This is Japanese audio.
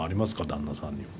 旦那さんには。